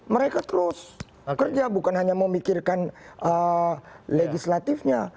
mereka terus kerja bukan hanya memikirkan legislatifnya